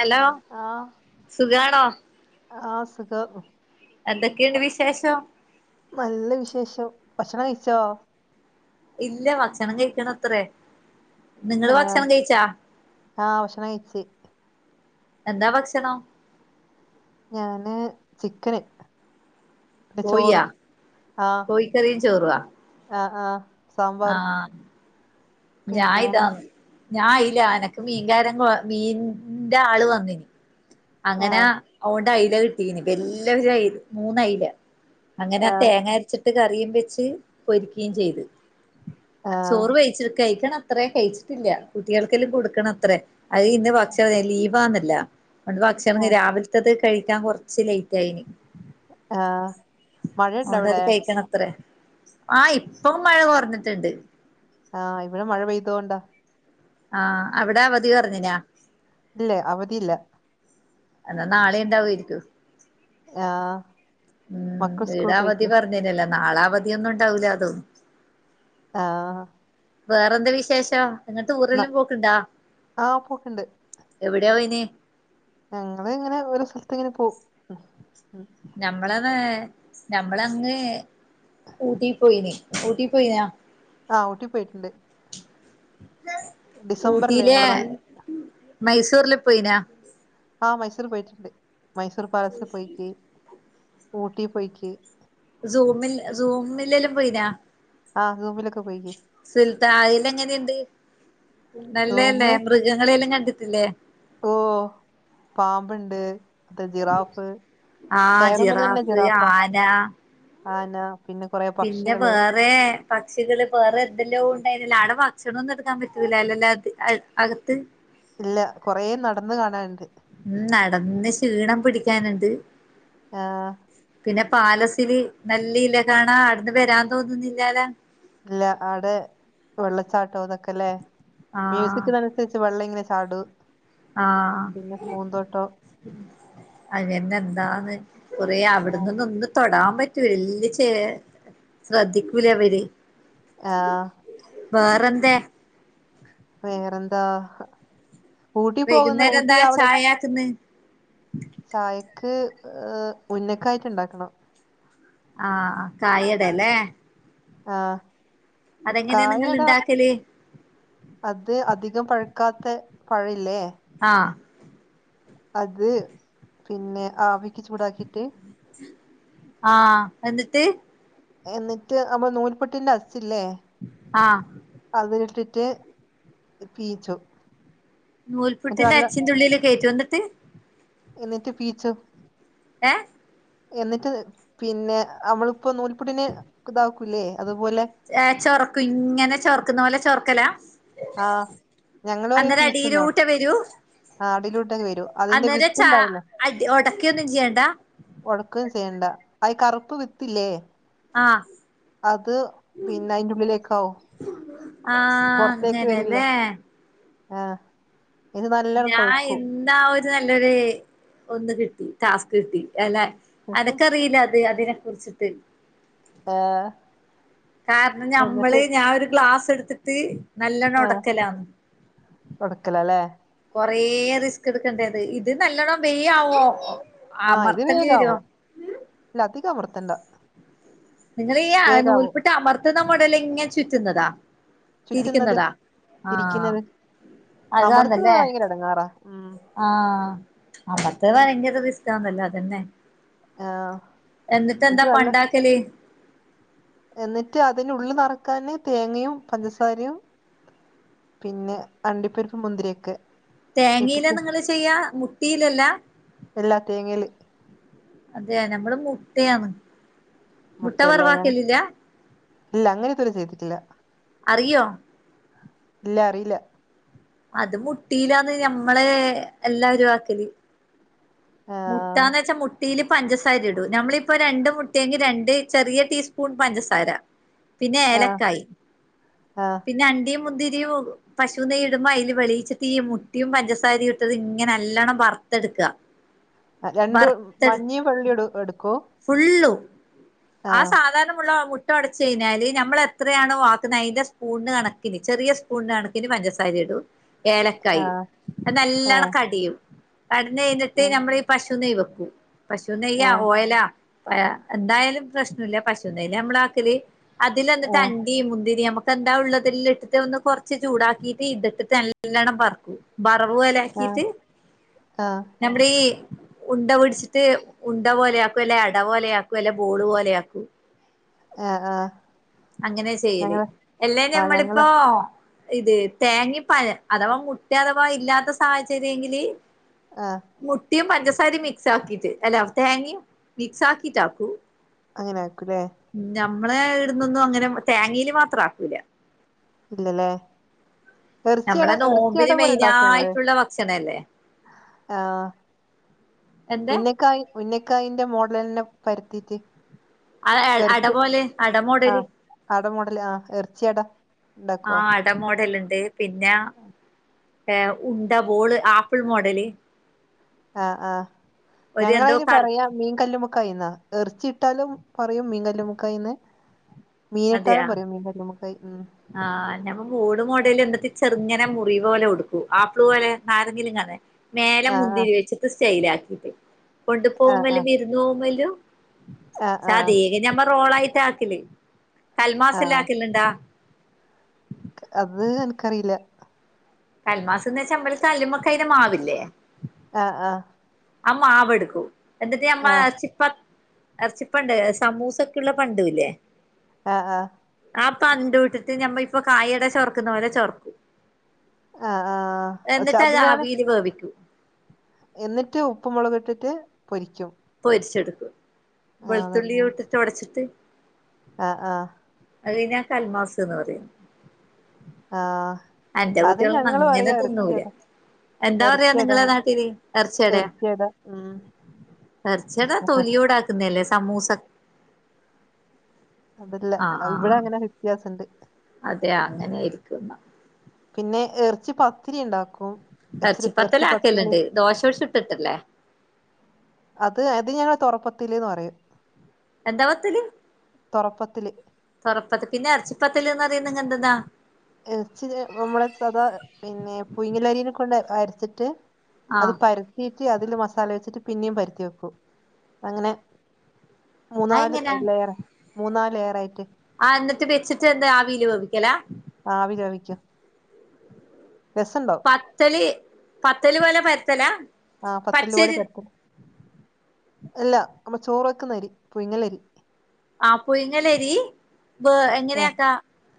Hello സുഖാണോ ആഹ് എന്തൊക്കെയുണ്ട് വിശേഷം നല്ല വിശേഷം ഭക്ഷണം കഴിച്ചോ ഇല്ല ഭക്ഷണം കഴിക്കണം അത്രേ നിങ്ങള് ആഹ് ഭക്ഷണം കഴിച്ചാ ആഹ് ഭക്ഷണം കഴിച്ച് എന്താ ഭക്ഷണം? ഞാന് ചിക്കന് പിന്നെ കോഴിയാ ചോറും ആഹ് കോഴിക്കറിയും ചോറുവാ ആഹ് ആഹ് സാമ്പാറും ആഹ് ഞാൻ പിന്നെ ഇതാ ഞാൻയില്ല എനക്ക് മീൻകാരൻ മീന്റെ ആള് വന്നിന അങ്ങനെ ആഹ് അതൊണ്ട് അയ്ല കിട്ടീന് വല്യ മൂന്ന് അയ്ല അങ്ങനെ ആഹ് തേങ്ങ അരച്ചിട്ട് ഇത് കറിയും വെച്ച് പൊരിക്കു ചെയ്ത് ആഹ് ചോറ് വഴിച്ചിടുക്ക കഴിക്കണം അത്ര കഴിച്ചിട്ടില്ല കുട്ടികൾക്കെല്ലും കൊടുക്കണം അത്രേ അത് ഇന്ന് ഭക്ഷ ലീവ് ആന്നല്ല അതുകൊണ്ട് ഭക്ഷണം ആഹ് രാവിലത്തത് കഴിക്കാൻ കുറച്ച് ലേറ്റ് ആയിന് ആഹ് മഴയുണ്ടോ അതൊണ്ട് അവിടെ അത് കഴിക്കണ അത്രേ ആഹ് ഇപ്പൊ മഴ കൊറഞ്ഞിട്ടുണ്ട് ആഹ് ഇവിടെ മഴ പെയ്തോണ്ടാ ആഹ് അവിടെ അവധി പറഞ്ഞിനാ ഇല്ലേ അവധിയില്ല എന്നാ നാളെ ഉണ്ടാവാ രിക്കും ആഹ് ഉം മക്കൾ വീട സ്കൂൾ അവധി പോയിക്കാ പറഞ്ഞേനല്ല നാളാവധിയൊന്നും ഉണ്ടാവൂലലൊ ആഹ് വേറെന്താ വിശേഷം ഇങ്ങ ന ടൂറെല്ലും പോക്ക്ണ്ടാ ആഹ് പോക്ക്ണ്ട് എവിടെയാ പോയിനി ഞങ്ങള ഇങ്ങനെ ഒരു സ്ഥലത്ത് ഇങ്ങനെ പോവും ഉം. ഞമ്മളതാ ഞമ്മളങ്ങ് ഊട്ടി പോയിനി ഊട്ടി പോയിനാ ആഹ് ഊട്ടി പോയിട്ടുണ്ട് ഡിസംബറില് ഊട്ടിയിലെ ഞങ്ങള് നൽ മൈസൂരിൽ പോയിനാ ആഹ് മൈസൂർ പോയിട്ടുണ്ട് മൈസൂർ പാലസൽ പോയിക്ക് ഊട്ടി പോയിക്ക് സൂമിൽ സൂമിലെല്ലും പോയിനാ ആഹ് സൂമലൊക്ക് പോയിനീ സുൽത്താല എങ്ങനെയുണ്ട് നല്ലല്ലേ സൂമ് മൃഗങ്ങളെല്ലാം കണ്ടിട്ടില്ലേ ഓ പാമ്പ്ണ്ട് അഹ് ജിറാഫ് ആ കയറുമ്പ തന്നെ ജിറാഫ് ജിറാഫാ ആന ആനാ പിന്നെ വേറെ പക്ഷികള് വേറെ എന്തെല്ലോ ഉണ്ടായിരുന്നില്ലൊ അവിടെ ഭക്ഷണ ഒന്നും എടുക്കാൻ പറ്റൂല്ല അല്ലല്ല അത് അ അകത്ത് ഇല്ല കൊറേ നടന്ന് കാണാന്ണ്ട് ഉം നടന്ന് ക്ഷീണം പിടിക്കാനുണ്ട് ആഹ് പിന്നെ പാലസില് നല്ല ഇല്ല കാണാ അവിടുന്ന് വരാൻ തോന്നുന്നില്ലാല ഇല്ല ആടെ വെള്ളച്ചാട്ടോ അതൊക്കെല്ലേ ആ മ്യൂസിക്ന സ്ച്ച് വെള്ളംങ്ങനെ ചാടൂ ആഹ് അങ്ങന്നെ എന്താന്ന് കുറേ ആ അവിടുന്ന്ന്ന് ഒന്ന് തൊടാൻ പറ്റി വല്യച ശ്രദ്ധിക്കൂല അവര് ആഹ് വേറെന്താ വേറെ എന്താ വൈകുന്നേരം എന്താ അവിടെ ചായാക്കന്ന് ചായക്ക് ഉന്നക്കായിട്ട് ഉണ്ടാക്കണം ആഹ് കായട ല്ലേ ആഹ് അതെങ്ങനെയാ നിങ്ങൾ കായടാ ഇണ്ടാക്കല് അത് അധികം പഴുക്കാത്ത പഴല്ലേ ആഹ് അത് പിന്നെ ആവിക്ക് ചൂടാക്കിട്ട് ആഹ എന്നിട്ട് എന്നിട്ട് നമ്മടെ നൂൽപുട്ടിന്റെ അച്ചില്ലേ ആഹ് അത് ഇട്ടിട്ട് പീച്ചും നൂൽപുട്ടിന്റെ അച്ചിന്റെ ഉള്ളിൽ കയറ്റും എന്നിട്ട് എന്നിട്ട് പീച്ചും ഏഹ് എന്നിട്ട് പിന്നെ അവൾപ്പോ നൂൽപുട്ടിന് ഇതാക്കൂല്ലേ അതുപോലെ ഏഹ് ചൊറക്കും ഇങ്ങനെ ചോർക്കുന്ന പോലെ ചോർക്കല ആ ഞങ്ങൾ പറയാ അന്നേരം പീച്ചുന്നാ അടിയിലൂട്ടവരും ആ അടിലോട്ടൊങ്ങ് വരൂ അന്നേരം ച അടി ഒടക്യന്നും ചെയ്യണ്ട ഒടക്കൊകയും ചെയ്യണ്ട അയ്കറുപ്പ് വിത്തില്ലേ ആഹ് അത് പിന്നെ അയിന്റെ ഉള്ളിലേക്കാവും ആഹ പുറത്തേക്ക് വരില്ല അങ്ങനെല്ലേ ആ ഇത് നല്ലോണം ഞാ കൊഴുക്കും ഇന്ന വ ഒരു നല്ലൊരു ഒന്ന് കിട്ടി ടാസ്ക് കിട്ടി അല്ലെ അനക്കറിയില്ല അത് അതിനെ കുറിച്ചിട്ട് ഏഹ് അകാരണം നമ്മള് എന്നിട്ട് ഞാൻ ഒരു ഗ്ലാസ് എടുത്തിട്ട് നല്ലോണ്ണം ആഹ് ഉടക്കല്ലാം കൊടുക്കലല്ലേ കൊറേ റിസ്ക് എടുക്കണ്ടേ അത് ഇത് നല്ലോണ്ണം വേം ആവോ അമർത്തേണ്ടി രും അല്ല അധികം അമർത്തണ്ട നിങ്ങളി ആ വേഗാവും നൂൽപുട്ട് അമർത്തുന്ന മോഡൽ ഇങ്ങനെ ചുറ്റുന്നതാ ചുറ്റുന്നത് തിരിക്കുന്നതാ ആ തിരിക്കുന്നത് അമർത്തുന്നത് അതാണ്ല്ലേ ഭയങ്കര എടങ്ങാറാ ഉം ആഹ് അമ്പത്തേ ഭയങ്കര റിസ് ന്നല്ല അതന്നെ ആഹ് എന്നിട്ടെന്താ എനിക്ക് നല്ല പ്പണ്ടാക്കല് എന്നിട്ട് അതിനുള്ൽ നിറക്കാന് തേങ്ങയും പഞ്ചസാരയും പിന്നെ അണ്ടിപ്പരിപ്പ് മുന്തിരിയൊക്കെ തേങ്ങയിലാ ഇട്ടിട്ട് നിങ്ങള് ചെയ്യാ മുട്ടിയിലല്ല എല്ലാ തേങ്ങയില് അതെയ നമ്മള് മുട്ടയാണ് മുട്ട മുട്ടല്ലേ ഞാൻ വറവാക്കലില്ല ഇല്ല അങ്ങനെഇതുവരെ ചെയ്തിട്ടില്ല അറിയോ ഇല്ല അറിയില്ല അത് മുട്ടിയിലാന്ന് ഞമ്മള് എല്ലാരും ആക്കല് ആഹ് മുട്ടന്ന് വെച്ചാൽ മുട്ടയില് പഞ്ചസാര ഇടൂ നമ്മളിപ്പോ രണ്ട് മുട്ടിയെങ്കി രണ്ട് ചെറിയ ടീസ്പൂൺ പഞ്ചസാര പിന്നെ ആഹ് ഏലക്കായി ആഹ് പിന്നെ അണ്ടിയും മുന്തിരിയും പശു നെയ്യ് ഇടുമ്പോ അതില് വെളീച്ട്ട് ഈ മുട്ടിയും പഞ്ചസാരയും ഇട്ടത് ഇങ്ങനെ നല്ലവണം വറുത്തെടുക രണ്ടും മഞ്ഞീ വെള്ളയും എടു എടുക്കൂ ഫുള്ളും ആഹ് സാധാരണമുള്ള മു ട്ട ഒടച്ചു കയിഞ്ഞാൽ നമ്മൾ എത്രെയാണ് വാക്കുന്നത് അതിന്റെ സ്പൂണിന് കണിന് ചെറിയ സ്പൂണിന്റെ കണക്കിന് പഞ്ചസാര ഇടും ഏലക്കായും ആഹ് അത് നല്ലവണം ആഹ് കടിയും കടഞ്ഞ് കഴിഞ്ഞിട്ട് ആഹ് നമ്മളി പശു നെയ്യ് വെക്കു പശു നെയ്യാ ആഹ് ഓയിലാ എന്തായാലും പ്രശ്നയില്ല പശു നെയാ നമ്മൾ ആക്കല് അതിൽ എന്നിട്ട് ആഹ് അൻ ണ്ടിയും മുന്തിരി നമുക്ക് എന്താ ഉള്ളത് എല്ലാം ഇട്ടിട്ട് ഒന്ന് കുറച്ച് ചൂടാക്കിട്ട് ഇത് ഇട്ടിട്ട് നല്ലണ്ണം വറകും ബറവുപോലെ ആഹ് ആക്കീട്ട് ആഹ് നമ്മളീ ഈ ഉണ്ട പിടിച്ചിട്ട് ഉണ്ട പോലെയാക്കും അല്ല അട പോലെ യാക്കും, അല്ല ബോളു പോലെ ലേ ആക്കു ഏഹ് ആഹ്. അങ്ങനെ ചെയ്യല് ഞങ്ങള് എല്ലാ ആഹ് ഞങ്ങള് നമ്മളിപ്പോ ഇത് തേങ്ങ പ അഥവാ മുട്ട അഥവാ ഇല്ലാത്ത സാഹചര്യയിങ്കില് ആഹ് മുട്ടിയും പഞ്ചസാരയും മിക്സാക്കിട്ട് അല്ല തേങ്ങയും മിക്സാക്കിട്ട കു അങ്ങനെ ആക്കുലേ നഞമ്മള ഇട്ന്നൊന്നും അങ്ങനെ തേങ്ങയില് മാത്ര ആക്കൂല. ഇല്ലല്ലേ നമ്മളെ എറച്ചിടെ എറച്ചിയട നോമ്പിന് പോലെ ഒണ്ടാക്കുവോ നിങ്ങള് മെയിനായിട്ടുള്ള ഭക്ഷണല്ലേ ആഹ് എന്തെ ഉന്നക്കായി ഉന്നക്കായിന്റെ മോഡല് തന്നെ പരത്തിട്ട് അട എറച്ചി പോലെ അട മോഡല് ആഹ് അട മോഡല് ആഹ് എറച്ചിടെ ഒണ്ടാക്കുവോ ഉണ്ട മോഡൽ ഉണ്ട് പിന്നാ ഉണ്ട ബോള് ആപ്പിൾ മോഡല് ആഹ് ആഹ് ഒരു എന്തോ ഞങ്ങളതിന് കർ പറയാ മീൻ കല്ലുമ്മുക്കായി തിന്നാ എറച്ചിട്ടാലും പറയും മീൻ കല്ലുമ്മുക്കായിന്ന് മീനിയിട്ടാലും അതെയാ പറയും മീൻ കല്ലുമ്മക്കായ് ഉം ആഹ് നമ്മ ഊട് മോഡല് എന്തിട്ട് ചെറിങ്ങനെ മുറി പോലെ ഉടുക്കൂ ആപ്പിൾ പോലെ നാരങ്ങിലും ഇങ്ങനെ മേലെ ആഹ് ആഹ് മുന്തിരി വെച്ചിട്ട് സ്റ്റൈൽ ആക്കിട്ട് കൊണ്ടു ആഹ് പോകുമ്പലും വിര്ന്ന് പോകുമ്പലും. ആഹ് സാതി ആഹ് നമ്മള് റോളായിട്ട് ആക്കില് കൽമാസില് ആഹ് ആക്കിലിണ്ടാ അത് അൻക്കറിയില്ല. കൽമാസംന്ന് വെച്ചാ കല്ലുമ്മക്കാ അയിന് മാവില്ലേ ആഹ് ആഹ് അമ്മ ആവ് എടുക്കും എന്നിട്ട് അമ്മ ആഹ് എറച്ചി പ ഇറച്ചിപ്പണ്ട് സമൂസൊക്കുള്ള ഭണ്ടൂല്ലേ ആഹ് ആഹ്. ആ പണ്ട് വിട്ടിട്ട് നമ്മൾ ഇപ്പൊ കായടെ ചൊറക്കുന്ന പോലെ ചൊർക്കും ആഹ് ആഹ് പക്ഷെ എന്നിട്ട് അത് അതിനാണ് ആവിയല് വേവിക്കൂ എന്നിട്ട് ഉപ്പു മുളക് ഇട്ടിട്ട് പൊരിക്ക്യും. പൊരിച്ചെടുക്കും വെളുത്തുള്ളി ഇട്ടിട്ട് ഒടച്ചിട്ട് ആഹ് ആഹ് അതിനെ കൽമാസു എന്ന് പറയും ആഹ് അന്റെ അത് കുട്ടികളൊന്നും ഞങ്ങള് അങ്ങനെ പറയാ തിന്നൂല എറച്ചിയട എന്താ പറയാ എറച്ചിയട നിങ്ങളെ നാട്ടില് എറച്ചിയെടെ എറച്ചിയട ഉം എറച്ചിടെ തൊലിയോടാക്കുന്നല്ലേ സമൂസ അതല്ലേ ആഹ് ഇവിടെ ആഹ് അങ്ങനെ വിത്യാസം ഉണ്ട് അതെ അങ്ങനെയായിരിക്കുയെന്നാ പിന്നെ എറച്ചി പത്തിരി ഒണ്ടാക്കും എറച്ചിപ്പത്തല ആക്കിയലെന്ത് ദോശ ചുട്ടിട്ടല്ലേ അത് അത് ഞങ്ങടെ തെറപ്പത്തില് പറയും എന്താ പത്തല് തൊറപ്പത്തില് തെറപ്പത്ത് പിന്നെ എറച്ചിപ്പത്തല് എന്ന് പറയുന്നത് എന്താ എറച്ചി നമ്മള് സദാ പിന്നെ പുയിങ്ങലരി കൊണ്ട് അരച്ചിട്ട് അത് ആഹ് പരത്തിറ്റ് അതില് മസാല വെച്ചിട്ട് പിന്നിം പര്ത്തി വെക്കു അങ്ങനെ. മൂന്നാല് അതെങ്ങനാ ലയർ മൂന്നാല് ലയറായിട്ട് ആ എന്നിട്ട് വെച്ചിട്ട് എന്താ ആവീല് വേവിക്കലാ ആവി ചെവിക്കുവ രസം ഉണ്ടാേ പത്തെലി പത്തല് പോലെ പരത്തലാ ആ പത്തൽ പോലെ പച്ചരി പരത്തണം അല്ല നമ്മ ചോറ് വെക്കുന്ന അരി പുങ്ങലരി ആ പുയങ്ങലരി വ ഏഹ് എങ്ങനെയാക്കാ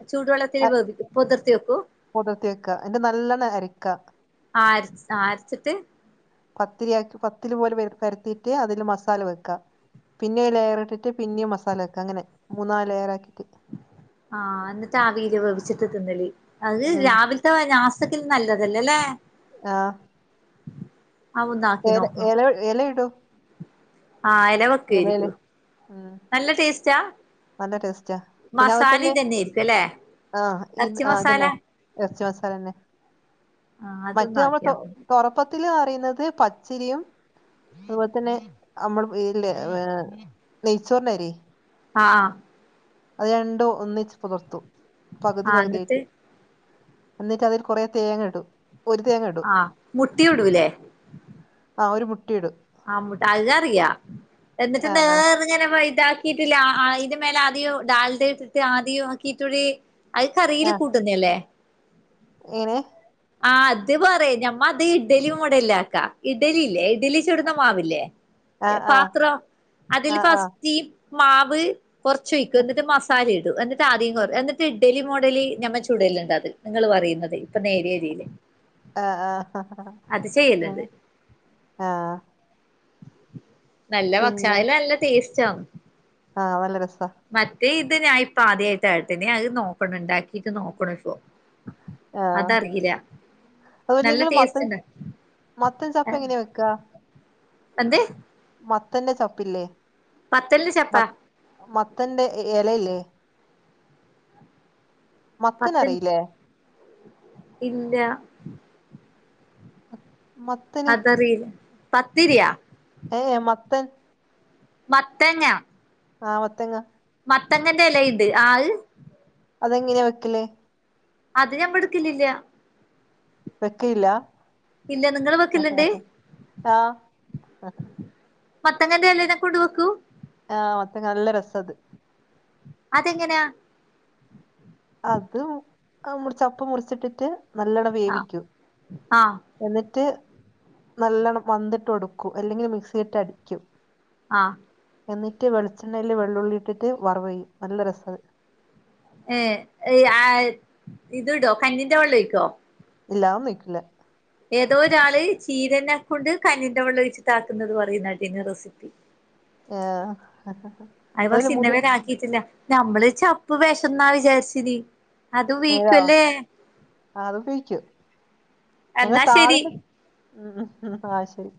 ചൂടുവെള്ളത്തിൽ വേവിക്കു പൊതിർത്തി വെക്കും കുതിർത്തി വെക്ക എന്നിട്ട് നല്ലണ അരിക്ക ആ ആര അരച്ചിട്ട് പത്തിരിയാക്കി പത്തിരി പോലെ പരത്തിയിട്ട് അതില് മസാല വെക്കാം പിന്നെ ലെയർ ഇട്ടിട്ട് പിന്നേം മസാല ആക്ക അങ്ങനെ മൂന്നാല് ലെയർ ആക്കിയിട്ട് ആഹ് അന്നിട്ട് ആവീൽ വേവിച്ചിട്ട് തിന്നലി അത് ഉം രാവിലെ [unintelligible] നല്ലതല്ലല്ലേ ആഹ് അവ ഒന്ന ആക്കി ഏല നോക്കണം എല എല ഇടും ആഹ് എല വെ എലേല് ഉം നല്ല ടേസ്റ്റാ നല്ല ടേസ്റ്റാ പിന്നെ മസാല അവത്തന്നെ ഇതന്നെ ആയിരിക്കും അല്ലെ ആഹ് ഇ ഇറച്ചി ആ മസാല അതന്നെ ഇറച്ചി മസാല തന്നെ ആ മറ്റേ നമ്മള് അതൊന്നാക്കി തൊ നോക്കണം തൊറ അപ്പത്തില് അരയുന്നത് പച്ചരിയും അതുപോലെ തന്നെ നമ്മള് ഏ നെയ്ച്ചോറിനരി ആഹ് അത് രണ്ടും ഒന്നിച്ച് പകർത്തു പകുതി ആ പകുതി എന്നിട്ട് ആയിട്ട് എന്നിട്ട് അതിൽ കുറേ തേങ്ങ ഇടും ഒരു തേങ്ങ ഇടും ആ മുട്ടയൂടൂലേ ആ ഒരു മുട്ടയിടും ആ മുട്ട അതറിയ എന്നിട്ട് ആ ആ നേർങ്ങനെ പോയിട്ട കിട്ടില്ല അയ്‌ന്റെ മേലെ ആദ്യം ഡാൽഡ ഇട്ടിട്ട് ആദ്യം കീറ്റുഴി അത് കറിയില് കൂട്ടുന്ന അല്ലേ ഏങ്ങനെ ആ അത് പറയാ ഞമ്മ അത് ഇഡ്ലി മോഡൽല്ലാക്ക ഇഡലി ഇല്ലേ ഇഡലി ച്ചുടുന്ന മാവില്ലേ ആ ആ പാത്രം ആ അതില് ആ ഫസ്റ്റ് ഈ മാവ് കുറച്ചോഴിക്കും എന്നിട്ട് മസാല ഇടും എന്നിട്ട് ആദ്യം കുറ എന്നിട്ട് ഇഡ്ഡലി മോഡലി ഞമ്മ ചുടലുണ്ട് അത് നിങ്ങള് പറയുന്നത് ഇപ്പൊ നേര്യരില് ആഹ് ആഹ് ആഹ് നല്ല ഭക്ഷണ അയ്ല് നല്ല ടേസ്റ്റന്ന് ആഹ് നല്ല രസ മറ്റേ ഇത് ഞാൻ ഇപ്പ ആദ്യമയിട്ട കേട്ടന അത് നോക്കണ ഇണ്ടാക്കിട്ട് നോക്കണ ഇപ്പോ ആ അതറിയില്ല അതുപോലെ നല്ല നിങ്ങും മത്തൻ ടേസ്റ്റ് ഇണ്ട് മത്തൻ ചപ്പ് എങ്ങനെയാ വെക്കാ എന്തെ മത്തന്റെ ചപ്പില്ലേ പത്തല് മ ചപ്പാ മത്തന്റെ എലയില്ലേ മത്തൻ പത്ത് അറിയില്ലേ ഇല്ല മത്തന് അതറിയില്ല പത്തിരിയാ ഏയ് മത്തൻ മത്തങ്ങ ആഹ് മത്തങ്ങ മത്തങ്ങന്റെ ഇലുണ്ട് ആഹ് അതെങ്ങനെയാ വെക്കലേ അത് ഞമ്മ എടുക്കില്ലില്ല വെക്കയില്ല ഇല്ല നിങ്ങള് വെക്കലുണ്ട് ആഹ് മത്തങ്ങനെ എലെനെ കൊണ്ട് വെക്കും ആ മത്തങ്ങ നല്ല രസ അത് അതെങ്ങെനാ അത് അ മുറിച്ചപ്പ് മുറിച്ചിട്ട്ട്ട് നല്ലോണം ആ വേവിക്കും ആ എന്നിട്ട് നല്ലണ്ണം വന്ത്‌ട്ട് ഒടുക്കും അല്ലെങ്കില് മിക്സി ഇട്ട് അടിക്കും. ആഹ് എന്നിട്ട് വെളിച്ചെണ്ണയിൽ വെള്ളുള്ളി ഇട്ടിട്ട് വറവെയ്യും നല്ല രസാത് ഏഹ് [unintelligible] ഇത്ടോ കഞ്ഞിന്റെ വെള്ളം ഒഴിക്കോ? ഇല്ല അതൊന്നും ഒഴിക്കില്ല ഏതോ ഒരാള് ചീരെനെ കൊണ്ട് കഞ്ഞിന്റെ വെള്ളം ഒഴിച്ചിട്ടാക്കുന്നത് പറയുന്നകേട്ടിനിം റെസിപ്പി ഏഹ് അത് അതില് പക്ഷേ മുതി ഇന്നെവരെ ആക്കിറ്റില്ല നമ്മള് ചപ്പ് വെഷന്ന വിചാരിചിതി അത് നേരാ ഉപയോഗിക്കുല്ലേ ആ, അത് ഉപയോഗിക്കും ഞങ്ങൾ എന്നാ ശരി താളിന്റെ ഉം ആഹ് ശരി